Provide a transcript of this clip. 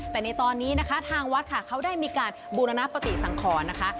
แต่ในตอนนี้นะคะทางวัดค่ะเขาได้มีการบูรณปฏิสังขรนะคะ